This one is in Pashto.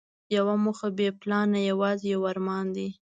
یوه موخه بې پلانه یوازې یو ارمان دی.